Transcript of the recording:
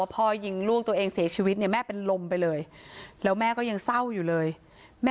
พระเจ้าที่อยู่ในเมืองของพระเจ้า